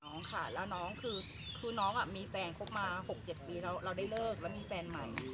ค่ะแล้วน้องคือน้องมีแฟนคบมา๖๗ปีแล้วเราได้เลิกแล้วมีแฟนใหม่